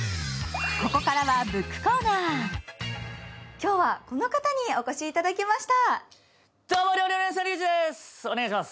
今日はこの方にお越しいただきました。